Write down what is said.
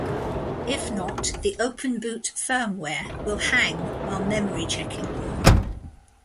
If not, the OpenBoot firmware will hang while memory checking.